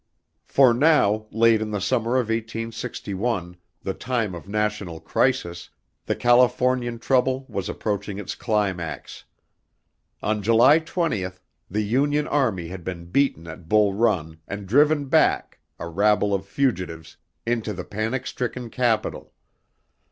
For now, late in the summer of 1861, the time of national crisis the Californian trouble was approaching its climax. On July 20, the Union army had been beaten at Bull Run and driven back, a rabble of fugitives, into the panic stricken capital.